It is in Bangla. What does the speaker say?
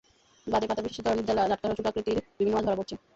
বাঁধে পাতা বিশেষ ধরনের জালে জাটকাসহ ছোট আকৃতির বিভিন্ন মাছ ধরা পড়ছে।